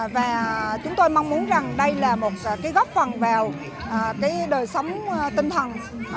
và chúng tôi mong muốn rằng đây là một góc phần vào đời sống tinh thần